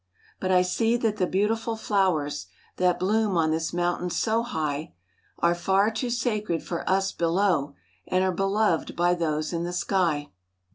But I see that the beautiful flowers That bloom on this mountain so high, Are far too sacred for us below And are beloved by those in the sky.